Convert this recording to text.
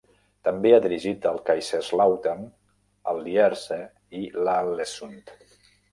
També ha dirigit el Kaiserslautern, el Lierse i l'Aalesund.